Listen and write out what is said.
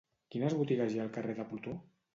Quines botigues hi ha al carrer de Plutó?